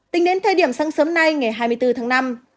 tính đến thời điểm sáng sớm nay ngày hai mươi bốn tháng năm